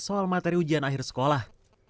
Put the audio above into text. soal materi ujian akhir sekolah